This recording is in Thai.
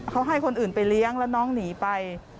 เขาให้คนอื่นไปเลี้ยงแล้วน้องหนีไป